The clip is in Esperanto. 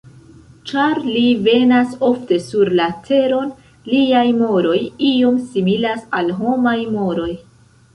Ĉar li venas ofte sur la Teron, liaj moroj iom similas al homaj moroj.